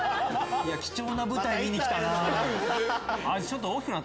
貴重な舞台見に来たな。